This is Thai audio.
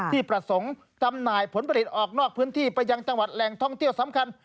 ที่ประสงค์จำหน่ายผลผลิตออกนอกพื้นที่ไปยังจังหวัดแหล่งท่องเที่ยวสำคัญ